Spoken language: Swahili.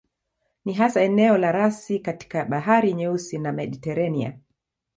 Ni hasa eneo la rasi kati ya Bahari Nyeusi na Mediteranea.